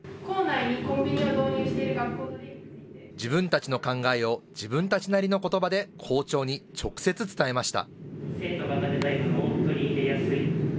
自分たちの考えを自分たちなりのことばで校長に直接伝えました。